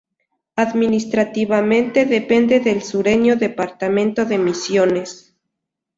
Administrativamente depende del sureño Departamento de Misiones.